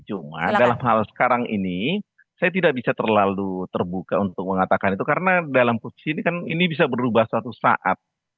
cuma dalam hal sekarang ini saya tidak bisa terlalu terbuka untuk mengatakan itu karena dalam posisi ini kan ini bisa berubah suatu saat